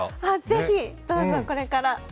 ぜひ、どうぞこれから。